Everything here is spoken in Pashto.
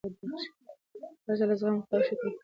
هرځل چې زغم وکارول شي، تاوتریخوالی نه خپرېږي.